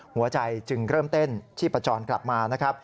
หัวใจจึงเริ่มเต้นชิบประจอนกลับมา